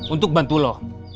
untuk bantu lo